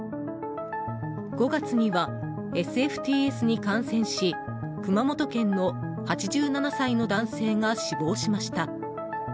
５月には、ＳＦＴＳに感染し熊本県の８７歳の男性が死亡しました。